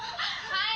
はい。